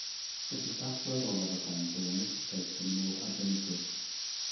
Gellir datgloi'r olaf o'r rhain trwy ennill y lleill yn y modd "Arbenigwr".